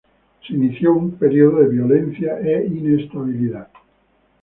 Se inició un período de violencia e inestabilidad.